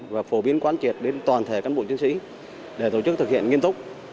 và phổ biến quan triệt đến toàn thể cán bộ chiến sĩ để tổ chức thực hiện nghiêm túc